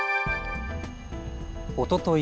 おととい